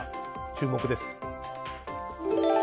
注目です。